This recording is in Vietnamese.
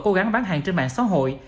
cố gắng bán hàng trên mạng xã hội